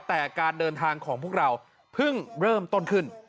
แต่การเดินทางของพวกเราเพิ่งเริ่มต้นขึ้น